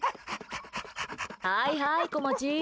はいはい、こまち。